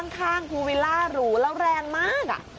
ข้างภูวิลล่าหรูแล้วแรงมาก